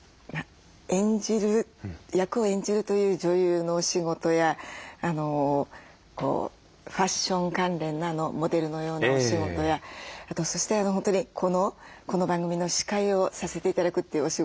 演じる役を演じるという女優のお仕事やファッション関連のモデルのようなお仕事やそして本当にこの番組の司会をさせて頂くというお仕事。